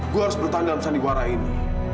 gue harus bertahan dalam sandiwara ini